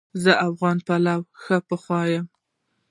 زه افغان پلو ښه پخوم